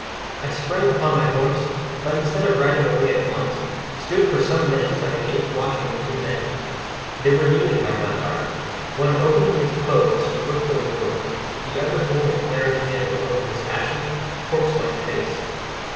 I sprang upon my horse, but, instead of riding away at once, stood for some minutes by the gate watching the two men. They were kneeling by Gandara, one opening his clothes to look for the wound, the other holding a flaring candle over his ashen, corpse like face.